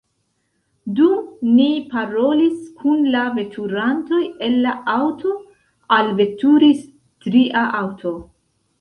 Dum ni parolis kun la veturantoj el la aŭto, alveturis tria aŭto.